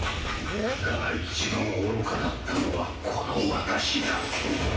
だが一番愚かだったのはこの私だ。